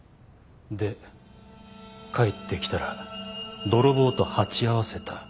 で帰ってきたら泥棒と鉢合わせた。